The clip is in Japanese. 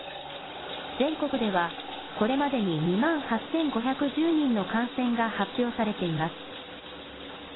全国ではこれまでに２万８５１０人の感染が発表されています。